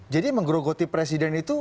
jadi menggerogoti presiden itu